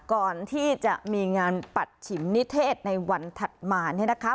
ก่อนที่จะมีงานปัดฉิมนิเทศในวันถัดมาเนี่ยนะคะ